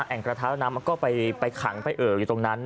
แอ่งกระทะแล้วน้ำมันก็ไปขังไปเอ่ออยู่ตรงนั้น